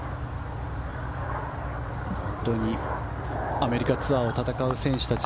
アメリカツアーを戦う選手たち